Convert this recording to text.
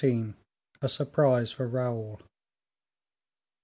A Surprise for Raoul.